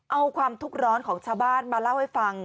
เอาความทุกข์ร้อนของชาวบ้านมาเล่าให้ฟัง